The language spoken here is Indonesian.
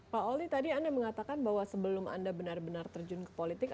pak oli tadi anda mengatakan bahwa sebelum anda benar benar terjun ke politik